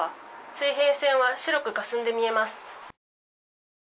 水平線は白くかすんで見えます。